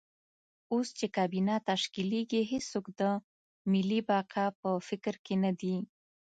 اوس چې کابینه تشکیلېږي هېڅوک د ملي بقا په فکر کې نه دي.